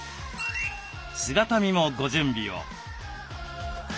姿見もご準備を。